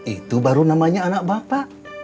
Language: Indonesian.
itu baru namanya anak bapak